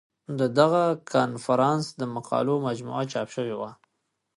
د دغه کنفرانس د مقالو مجموعه چاپ شوې وه.